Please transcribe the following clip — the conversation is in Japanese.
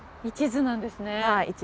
一途なんですね。